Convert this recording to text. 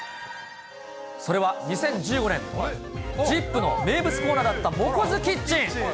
それは２０１５年、ＺＩＰ！の名物コーナーだったモコズキッチン。